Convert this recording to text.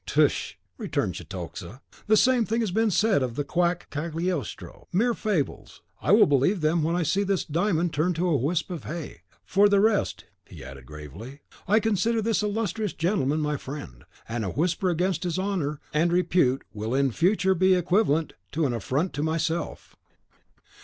"Tush," returned Cetoxa, "the same thing has been said of the quack Cagliostro, mere fables. I will believe them when I see this diamond turn to a wisp of hay. For the rest," he added gravely, "I consider this illustrious gentleman my friend; and a whisper against his honour and repute will in future be equivalent to an affront to myself."